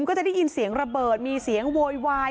ก็จะได้ยินเสียงระเบิดมีเสียงโวยวาย